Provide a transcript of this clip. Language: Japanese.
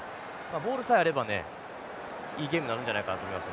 ボールさえあればねいいゲームになるんじゃないかなと思います。